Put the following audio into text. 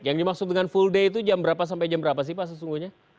yang dimaksud dengan full day itu jam berapa sampai jam berapa sih pak sesungguhnya